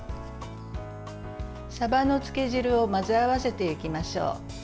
さばの漬け汁を混ぜ合わせていきましょう。